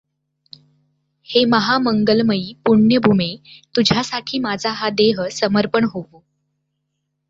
हे महामंगलमयी पुण्यभूमे, तुझ्यासाठी माझा हा देह समर्पण होवो.